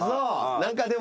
何かでも。